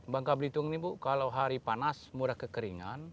bangka belitung ini bu kalau hari panas murah kekeringan